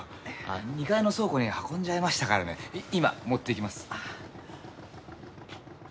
あっ２階の倉庫に運んじゃいましたからね今持ってきます。